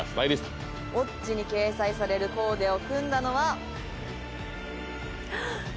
「Ｏｇｇｉ」に掲載されるコーデを組んだのははっ！